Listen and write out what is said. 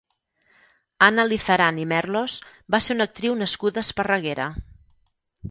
Anna Lizaran i Merlos va ser una actriu nascuda a Esparreguera.